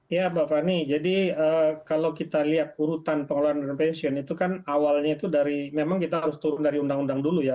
ya mbak fani jadi kalau kita lihat urutan pengelolaan dana pensiun itu kan awalnya itu dari memang kita harus turun dari undang undang dulu ya